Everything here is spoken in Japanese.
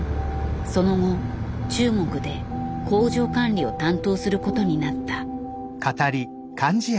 その後中国で工場管理を担当することになった。